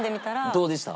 どうでした？